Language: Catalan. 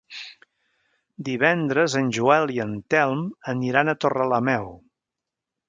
Divendres en Joel i en Telm aniran a Torrelameu.